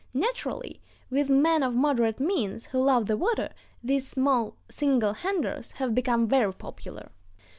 Naturally, with men of moderate means who love the water, these small single handers have become very popular.